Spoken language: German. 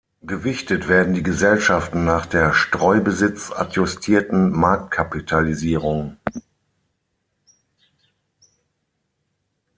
Gewichtet werden die Gesellschaften nach der Streubesitz-adjustierten Marktkapitalisierung.